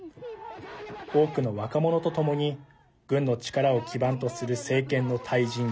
多くの若者とともに軍の力を基盤とする政権の退陣